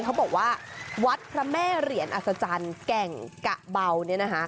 เขาบอกว่าวัดพระแม่เหรียญอัศจรรย์แก่งกะเบาเนี่ยนะคะ